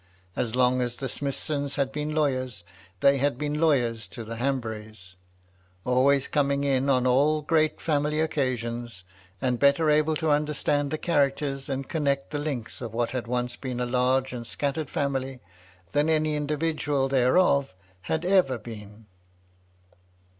As long as the Smithsons had been lawyers, they had been lawyers to the Hanburys; always coming in on all great £sunily occasions, and better able to understand the characters, and connect the links of what had once been a large and scattered family, than any individual thereof had ever been.